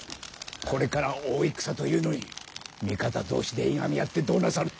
これから大戦というのに味方同士でいがみ合ってどうなさる。